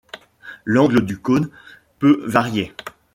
L'angle du cône peut varier.